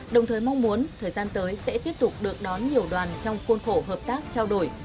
đồng thời mong muốn thời gian tới sẽ tiếp tục được đón nhiều đoàn trong khuôn khổ hợp tác trao đổi